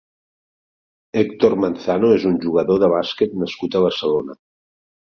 Héctor Manzano és un jugador de bàsquet nascut a Barcelona.